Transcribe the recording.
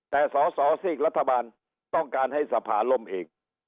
แต่สอสอซีกรัฐบาลต้องการให้สภาล่มเอง